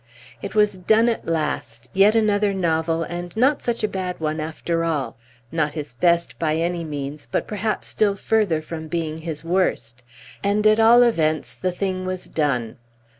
It was done at last, yet another novel, and not such a bad one after all. Not his best by any means, but perhaps still further from being his worst; and, at all events, the thing was done.